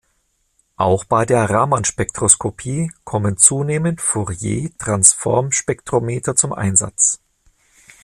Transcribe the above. Auch bei der Ramanspektroskopie kommen zunehmend Fourier-Transform-Spektrometer zum Einsatz.